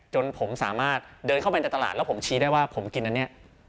จนผมสามารถเดินเข้าไปในตลาดแล้วผมชี้ได้ว่าผมกินอันนี้